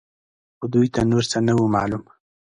خو دوی ته نور څه نه وو معلوم.